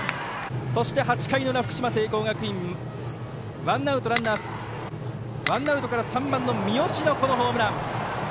そして８回の裏、福島・聖光学院ワンアウトから３番の三好のホームラン。